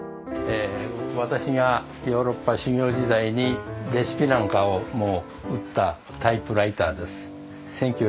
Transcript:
私がヨーロッパ修業時代にレシピなんかも打ったタイプライターです。